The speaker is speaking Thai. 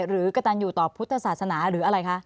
กระตันอยู่ต่อพุทธศาสนาหรืออะไรคะ